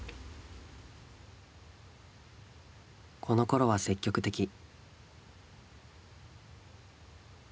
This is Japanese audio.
このころは積極的。